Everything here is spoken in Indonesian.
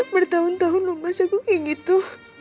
bertahun tahun loh mas aku kayak gitu